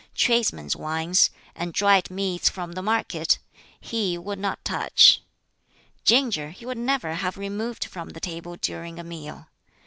Tradesmen's wines, and dried meats from the market, he would not touch. Ginger he would never have removed from the table during a meal.